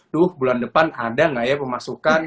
duh bulan depan ada nggak ya pemasukan